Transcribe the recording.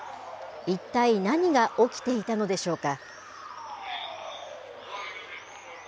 一体何が起きていたのでしょうか。